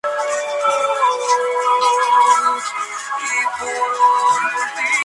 Es probable que cambien "espontáneamente".